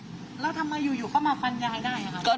แล้วทำไมอยู่เข้ามาฟันยายได้อะครับ